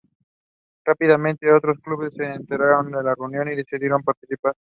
Rápidamente, otros clubes se enteraron de esta reunión y decidieron participar.